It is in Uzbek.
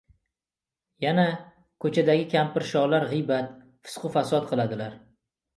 yana, ko‘chadagi kampirsholar g‘iybat, fisqu fasod qiladilar.